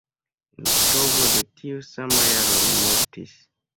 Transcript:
En oktobro de tiu sama jaro li mortis.